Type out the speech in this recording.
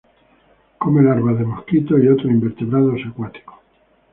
Come larvas de mosquito y otros invertebrados acuáticos.